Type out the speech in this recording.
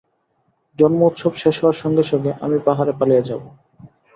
জন্মোৎসব শেষ হবার সঙ্গে সঙ্গে আমি পাহাড়ে পালিয়ে যাব।